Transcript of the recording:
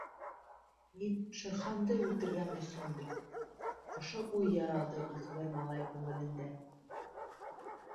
«Мин Шер Ханды үлтергән өсөндөр...» — ошо уй яралды үҫмер малай күңелендә.